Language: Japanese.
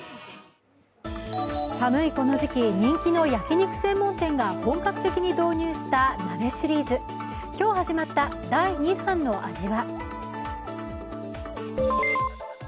寒いこの時期、人気の焼き肉専門店が本格的に導入した鍋シリーズ。今日始まった第２弾の味は？